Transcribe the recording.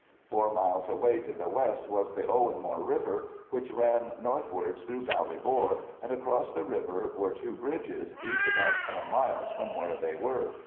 Four miles away to the west was the Owenmore river, which ran northwards through Ballybor, and across the river were two bridges, each about four miles from where they were.